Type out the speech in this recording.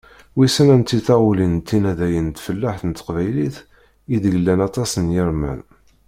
Wissen anti taɣulin tinaddayin n tfellaḥt n teqbaylit ideg llan aṭas n yirman?